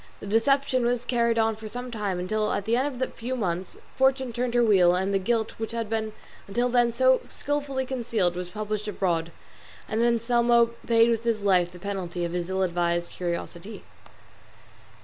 The deception was carried on for some time, until at the end of a few months Fortune turned her wheel and the guilt which had been until then so skilfully concealed was published abroad, and Anselmo paid with his life the penalty of his ill advised curiosity.